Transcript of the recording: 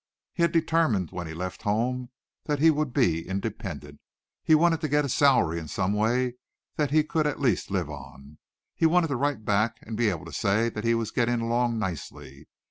He had determined when he left home that he would be independent. He wanted to get a salary in some way that he could at least live on. He wanted to write back and be able to say that he was getting along nicely.